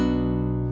gak ada apa apa